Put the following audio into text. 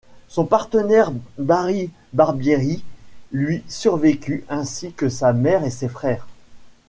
Son partenaire Barry Barbieri lui survécut, ainsi que sa mère et ses frères.